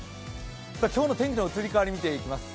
今日の天気の移り変わり見ていきます。